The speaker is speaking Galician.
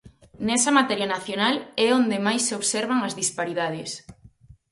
Nesa materia nacional é onde máis se observan as disparidades.